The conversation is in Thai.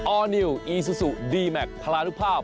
อร์นิวอีซูซูดีแมคพารานุภาพ